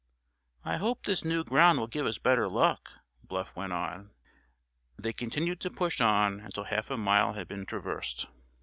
"I hope this new ground will give us better luck," Bluff went on. They continued to push on until half a mile had been traversed.